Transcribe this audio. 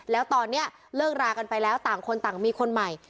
แล้วตอนนี้เลิกรากันไปแล้วต่างคนต่างมีคนใหม่